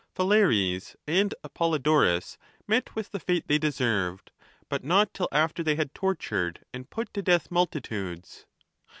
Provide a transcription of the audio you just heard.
Phalaris and Apollodorus met with the fate they deserved, but not till after they had tortured and put to death multitudes.